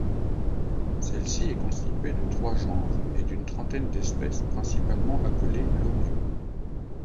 Celle-ci est constituée de trois genres et d'une trentaine d'espèces principalement appelées loriots.